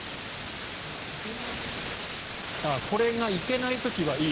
これが行けない時はいい。